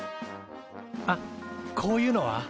あっこういうのは？